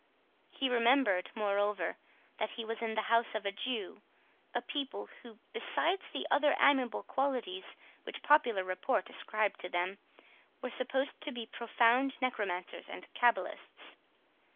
He remembered, moreover, that he was in the house of a Jew, a people who, besides the other unamiable qualities which popular report ascribed to them, were supposed to be profound necromancers and cabalists.